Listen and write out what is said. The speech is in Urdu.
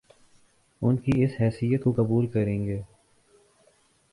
ان کی اس حیثیت کو قبول کریں گے